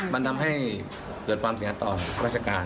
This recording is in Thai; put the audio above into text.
มันทำให้เกิดความเสียหายต่อราชการ